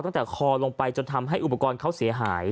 ตั้งแต่คอลงไปจนทำให้อุปกรณ์เขาเสียหาย